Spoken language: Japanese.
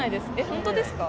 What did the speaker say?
本当ですか？